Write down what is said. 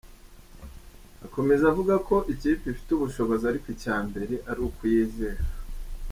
Akomeza avuga ko ikipe ifite ubushobozi ariko icya ngombwa ari ukuyizera.